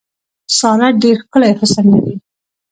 ساره ډېر ښکلی حسن لري.